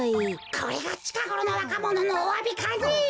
これがちかごろのわかもののおわびかねえ。